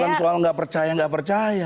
bukan soal nggak percaya nggak percaya